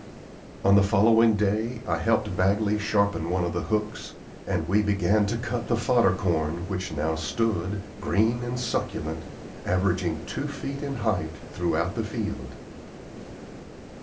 On the following day I helped Bagley sharpen one of the hooks, and we began to cut the fodder corn which now stood, green and succulent, averaging two feet in height throughout the field.